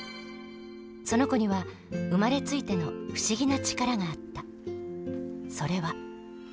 その子には生まれついての不思議な力があった。